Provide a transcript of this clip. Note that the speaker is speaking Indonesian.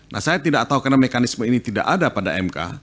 nah saya tidak tahu karena mekanisme ini tidak ada pada mk